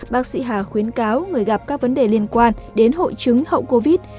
bác sĩ hà khuyến cáo người gặp các vấn đề liên quan đến hội chứng hậu covid